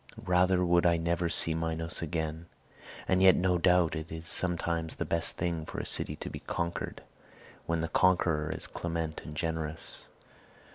rather would I never see Minos again. And yet no doubt it is sometimes the best thing for a city to be conquered, when the conqueror is clement and generous.